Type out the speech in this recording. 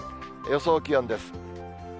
予想気温です。